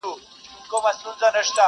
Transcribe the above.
د پاچا په انتخاب کي سر ګردان وه!!